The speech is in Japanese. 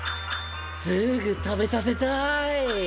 すぐ食べさせたい。